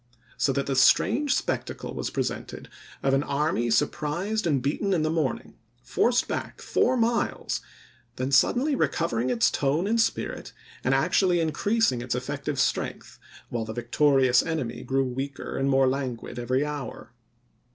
So that the strange spectacle was presented, of an army sur prised and beaten in the morning, forced back four miles, then suddenly recovering its tone and spirit, and actually increasing its effective strength, while the victorious enemy grew weaker and more lan oct. i9,i864. guid every hour.